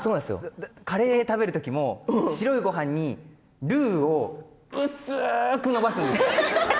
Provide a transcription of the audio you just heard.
カレーを食べる時も白いごはんにルーを薄くのばすんです。